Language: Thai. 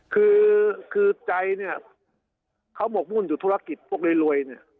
คือคือใจเนี่ยเขาหมกมุ่นอยู่ธุรกิจพวกรวยเนี่ย